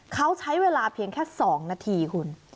เขาใช้เวลาเพียงแค่๒นาทีคุณ